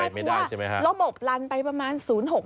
เพราะว่าระบบลันไปประมาณ๐๖๕แล้ว